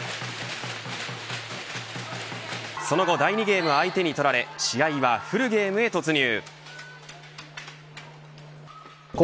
その後第２ゲームは相手に取られ試合はフルゲームへ突入。